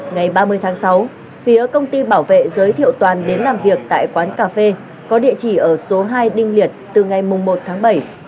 ngày ba mươi tháng sáu phía công ty bảo vệ giới thiệu toàn đến làm việc tại quán cà phê có địa chỉ ở số hai đinh liệt từ ngày một tháng bảy